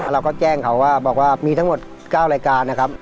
เราก็แจ้งเขาว่าบอกว่ามีทั้งหมด๙รายการนะครับ